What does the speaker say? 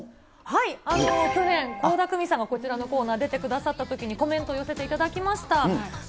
去年、倖田來未さんがこちらのコーナー出てくださったときに、コメント寄せていただきました。